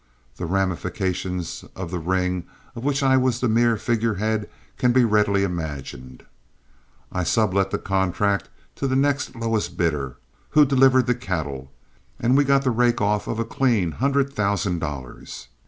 _ The ramifications of the ring of which I was the mere figure head can be readily imagined. I sublet the contract to the next lowest bidder, who delivered the cattle, and we got a rake off of a clean hundred thousand dollars.